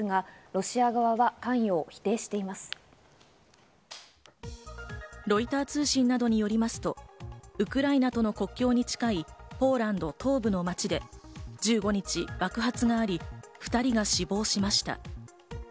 ロイター通信などによりますと、ウクライナとの国境に近い、ポーランド東部の街で１５日、爆発があり、２人が死亡しました。